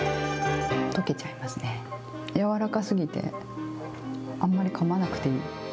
やわらかすぎて、あんまりかまなくていい。